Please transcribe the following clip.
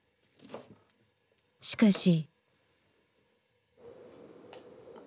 しかし。